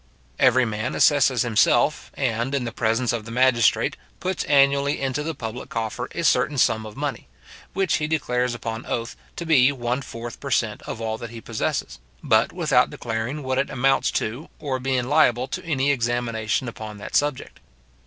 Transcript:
Every man assesses himself, and, in the presence of the magistrate, puts annually into the public coffer a certain sum of money, which he declares upon oath, to be one fourth per cent. of all that he possesses, but without declaring what it amounts to, or being liable to any examination upon that subject.